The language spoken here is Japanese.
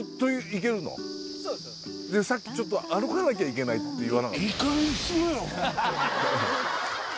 さっきちょっと歩かなきゃいけないって言わなかった？